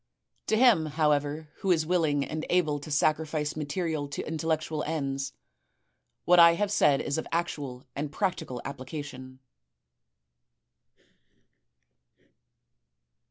To him, however, who is willing and able to sacrifice material to intellectual ends, what I have said is of actual and practical application."